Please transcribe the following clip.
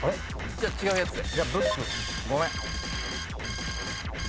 じゃあ違うやつで。